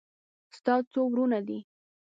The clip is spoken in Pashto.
ستا څو ورونه دي